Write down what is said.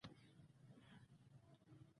ارغسان د کندهار ولايت یوه اولسوالي ده.